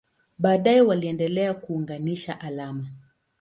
Baadaye waliendelea kuunganisha alama.